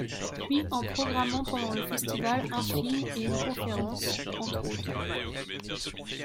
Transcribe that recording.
Puis en programmant pendant le festival un film et une conférence, entre autres.